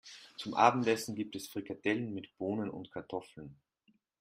Zum Abendessen gibt es Frikadellen mit Bohnen und Kartoffeln.